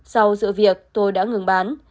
sau sự việc tôi đã ngừng bán